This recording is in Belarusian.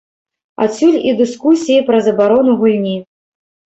Адсюль і дыскусіі пра забарону гульні.